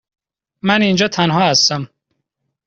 من اینجا تنها هستم.